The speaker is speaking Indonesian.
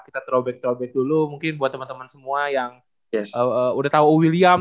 kita throwback throwback dulu mungkin buat temen temen semua yang udah tau william